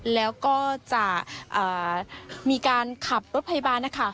แล้วก็จะมีการขับรถพยาบาลนะคะ